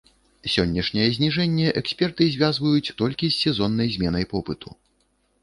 Сённяшняе зніжэнне эксперты звязваюць толькі з сезоннай зменай попыту.